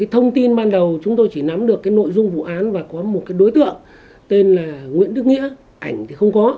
thông tin ban đầu chúng tôi chỉ nắm được nội dung vụ án và có một đối tượng tên là nguyễn đức nghĩa ảnh thì không có